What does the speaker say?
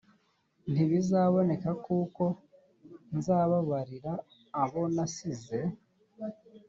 ntibizaboneka kuko nzababarira abo nasize